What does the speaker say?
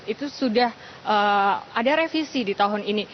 itu sudah ada revisi di tahun ini